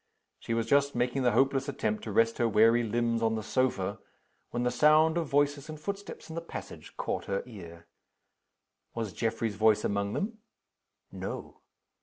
She was just making the hopeless attempt to rest her weary limbs on the sofa, when the sound of voices and footsteps in the passage caught her ear. Was Geoffrey's voice among them? No.